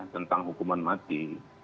tentang hukuman mati